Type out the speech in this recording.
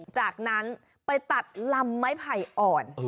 จากนั้นไปตัดลำไม้ไผ่อ่อน